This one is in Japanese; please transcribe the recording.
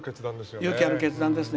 勇気ある決断ですね。